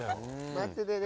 待っててね。